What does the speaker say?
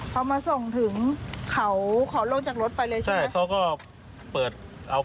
เขามาส่งถึงเขาขอลงลงจากรถไปเลยใช่ไหม